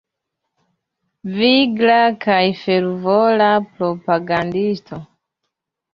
Vigla kaj fervora propagandisto.